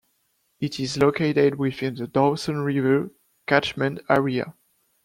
It is located within the Dawson River catchment area.